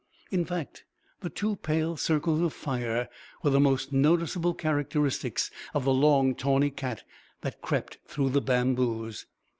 In fact, the two pale circles of fire were the most noticeable characteristics of the long, tawny cat that crept through the bamboos.